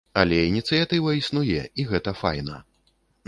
Але ініцыятыва існуе і гэта файна.